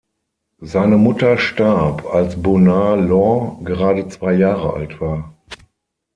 Seine Mutter starb, als Bonar Law gerade zwei Jahre alt war.